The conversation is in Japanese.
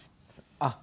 あっ。